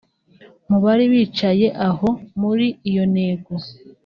Mu bari bicaye aho muri iyo ntego